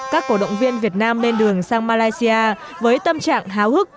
các cổ động viên việt nam lên đường sang malaysia với tâm trạng háo hức